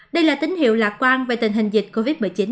đây là tín hiệu lạc quan về tình hình dịch covid một mươi chín